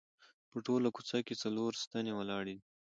په ټوله کوڅه کې څلور ستنې ولاړې دي.